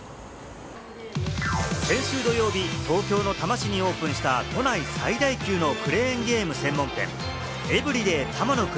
先週土曜日、東京の多摩市にオープンした都内最大級のクレーンゲーム専門店・エブリデイ多摩ノ国。